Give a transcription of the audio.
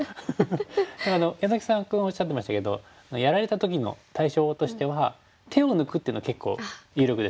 柳澤さんおっしゃってましたけどやられた時の対処法としては手を抜くっていうのは結構有力ですね。